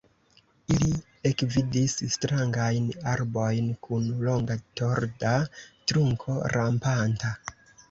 Ili ekvidis strangajn arbojn kun longa torda trunko rampanta.